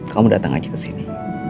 kamu datang aja ke sini